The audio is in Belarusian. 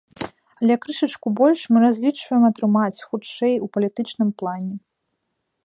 Але крышачку больш мы разлічваем атрымаць, хутчэй, у палітычным плане.